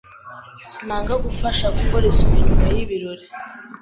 Sinanga kugufasha gukora isuku nyuma yibirori.